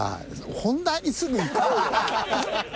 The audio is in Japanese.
本題にすぐいこうよ。